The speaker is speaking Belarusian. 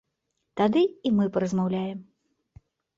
Тады і мы паразмаўляем.